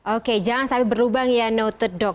oke jangan sampai berlubang ya noted dok